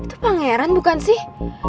itu pangeran bukan sih